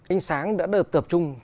ánh sáng đã được tập trung